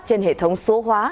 trên hệ thống số hóa